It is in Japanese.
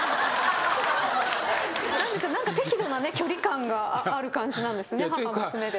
何でしょう適度な距離感がある感じなんですね母娘で。